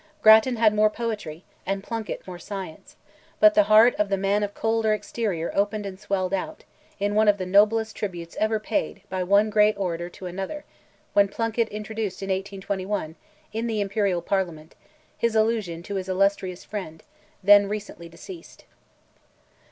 Grattan had more poetry, and Plunkett more science; but the heart of the man of colder exterior opened and swelled out, in one of the noblest tributes ever paid by one great orator to another, when Plunkett introduced in 1821, in the Imperial Parliament, his allusion to his illustrious friend, then recently deceased.